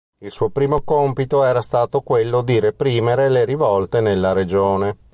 Il suo primo compito era stato quello di reprimere le rivolte nella regione.